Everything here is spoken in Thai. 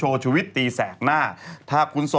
เฮ้ยจริงคุณ